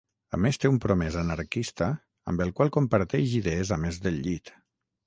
A més, té un promès anarquista amb el qual comparteix idees a més del llit.